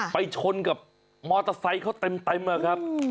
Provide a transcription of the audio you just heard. ไปชนกับมอเตอร์ไซค์เขาเต็มนะครับ